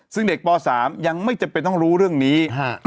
ซึ่งเด็กป๓ยังไม่จำเป็นต้องรู้เรื่องนี้